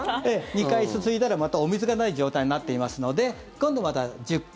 ２回すすいだらまたお水がない状態になっていますので今度また１０回。